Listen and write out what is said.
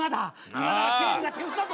今なら警備が手薄だぞ。